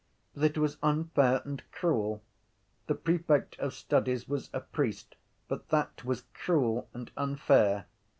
But it was unfair and cruel. The prefect of studies was a priest but that was cruel and unfair.